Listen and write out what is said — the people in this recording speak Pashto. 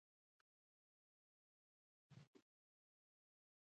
د شخصیت جوړونې په بهیر کې هڅه د بنسټیزو ارزښتونو پراختیا لپاره اړینه ده.